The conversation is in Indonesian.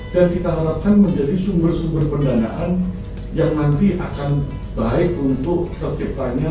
dan kita harapkan menjadi sumber sumber pendanaan yang nanti akan baik untuk terciptanya